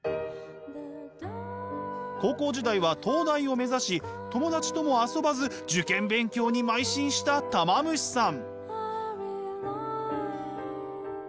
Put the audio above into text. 高校時代は東大を目指し友達とも遊ばず受験勉強に邁進したたま虫さん。